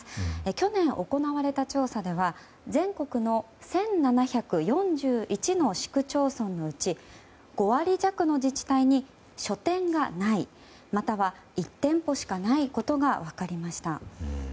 去年行われた調査では全国の１７４１の市区町村のうち５割弱の自治体に書店がないまたは１店舗しかないことが分かりました。